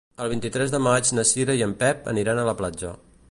El vint-i-tres de maig na Cira i en Pep aniran a la platja.